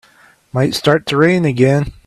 Might start to rain again.